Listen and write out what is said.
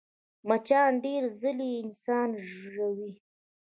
مچان ډېرې ځلې انسان ژوي